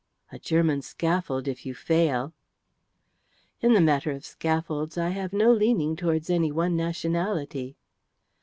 "A German scaffold if you fail." "In the matter of scaffolds I have no leaning towards any one nationality."